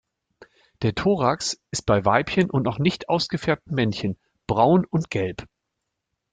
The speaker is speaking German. Der Thorax ist bei Weibchen und noch nicht ausgefärbten Männchen braun und gelb.